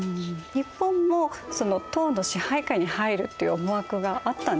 日本も唐の支配下に入るっていう思惑があったんですか？